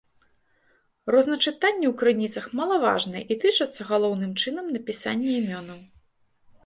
Розначытанні ў крыніцах малаважныя і тычацца галоўным чынам напісанні імёнаў.